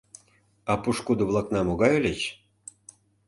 А пошкудо-влакна могай ыльыч?